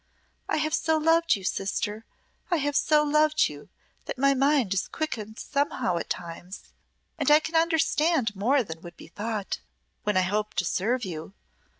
"I have so loved you, sister I have so loved you that my mind is quickened somehow at times, and I can understand more than would be thought when I hope to serve you.